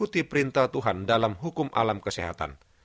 jangan berpikir pikir seperti perintah tuhan dalam hukum alam kesehatan